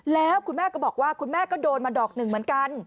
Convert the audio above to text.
แล้วคุณแม่ก็บอกว่าคุณแม่ก็โดนมาดอกหนึ่งเหมือนกัน